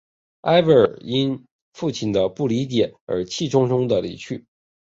艾薇尔因父亲的不理解而气冲冲地离去。